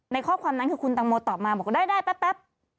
ข้อความนั้นคือคุณตังโมตอบมาบอกว่าได้แป๊บ